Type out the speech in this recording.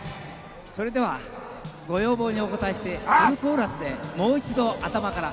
それではご要望にお応えしてフルコーラスでもう一度頭から。